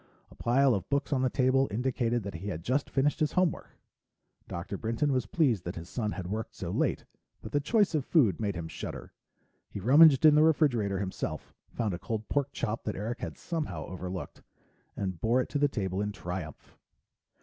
A pile of books on the table indicated that he had just finished his homework. Dr. Brinton was pleased that his son had worked so late, but the choice of food made him shudder. He rummaged in the refrigerator himself, found a cold pork chop that Eric had somehow overlooked, and bore it to the table in triumph.